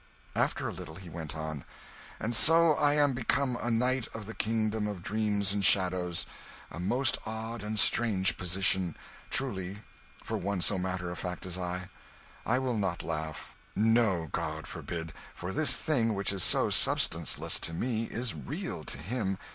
After a little, he went on, "And so I am become a knight of the Kingdom of Dreams and Shadows! A most odd and strange position, truly, for one so matter of fact as I. I will not laugh no, God forbid, for this thing which is so substanceless to me is real to him.